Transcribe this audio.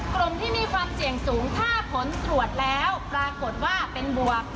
กลุ่มที่มีความเสี่ยงสูงถ้าผลตรวจแล้วปรากฏว่าเป็นบวก